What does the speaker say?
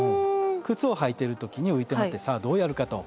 靴を履いてる時にういてまてさあどうやるかと。